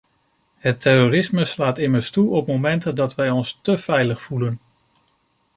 Het terrorisme slaat immers toe op momenten dat wij ons té veilig voelen.